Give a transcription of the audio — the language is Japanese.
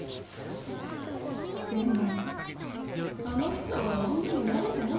でもあの人は女に慣れてなかった気がするねえ。